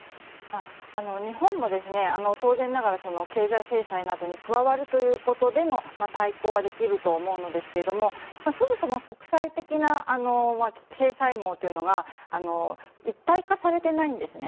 日本は当然ながら経済制裁などに加わるということでの対抗はできると思うんですがそもそも国際的な制裁網というのが一体化されてないんですね。